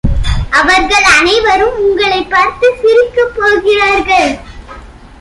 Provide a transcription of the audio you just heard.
அவர்கள் அனைவரும் உங்களைப் பார்த்து சிரிக்கப் போகிறார்கள்!